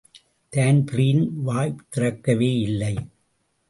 Dan Breen வாய் திறக்கவேயில்லை.